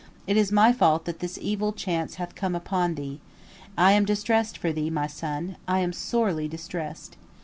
It is my fault that this evil chance hath come upon thee. I am distressed for thee, my son, I am sorely distressed.